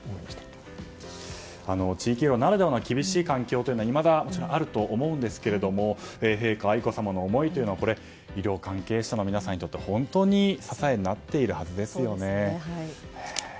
地域医療ならではの厳しい環境はいまだあると思いますが陛下や愛子さまの思いは医療関係者の皆さんにとって本当に支えになっているはずですよね。